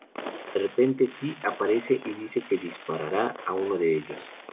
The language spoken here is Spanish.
De repente Ty aparece y dice que disparará a uno de ellos.